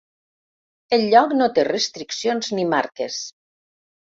El lloc no té restriccions ni marques.